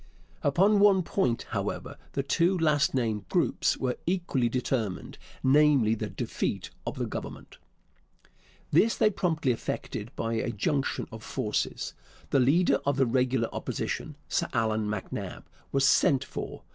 Upon one point, however, the two last named groups were equally determined, namely, the defeat of the Government. This they promptly effected by a junction of forces. The leader of the regular Opposition, Sir Allan MacNab, was 'sent for.'